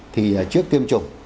thì trước tiêm chủng